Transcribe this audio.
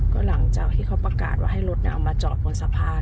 ก็หลังจากที่เขาประกาศว่าให้รถเอามาจอดบนสะพาน